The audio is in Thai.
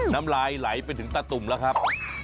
น้ำลายไหลไปถึงตาตุ่มแล้วครับ